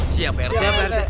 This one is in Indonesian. siap pak rt